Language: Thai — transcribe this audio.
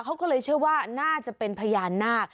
เขาก็เลยเชื่อว่าน่าจะเป็นพญานาค